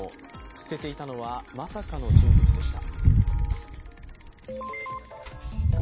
捨てていたのは、まさかの人物でした。